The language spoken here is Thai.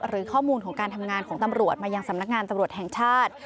หรือข้อมูลของการทำงานของตำรวจมายังสำนักงานตำรวจแห่งชาติ